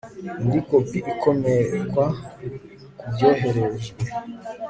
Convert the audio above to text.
indi kopi ikomekwa kubyoherejwe